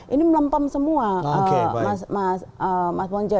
ini melempam semua mas bonjo